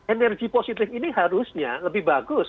energi positif ini harusnya lebih bagus